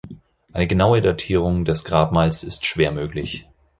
Eine genaue Datierung des Grabmals ist schwer möglich.